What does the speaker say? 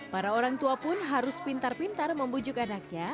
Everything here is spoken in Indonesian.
para orang tua pun harus pintar pintar membujuk anaknya